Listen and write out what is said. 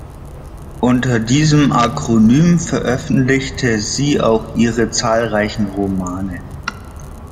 Unter diesem Akronym veröffentlichte sie auch ihre zahlreichen Romane.